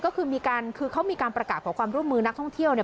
ก็คือมีการคือเขามีการประกาศขอความร่วมมือนักท่องเที่ยวเนี่ย